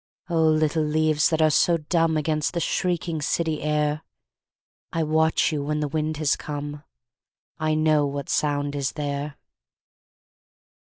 Oh, little leaves that are so dumb Against the shrieking city air, I watch you when the wind has come, I know what sound is there.